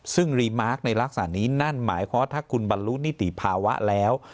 ซึ่งรีมาร์คในลักษณะนี้นั่นหมายความว่าถ้าคุณบรรลุนิติภาวะแล้ว